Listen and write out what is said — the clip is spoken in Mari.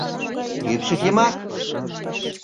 Кӱпчык йымак?